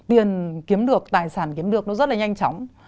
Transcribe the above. tiền kiếm được tài sản kiếm được nó rất là nhanh chóng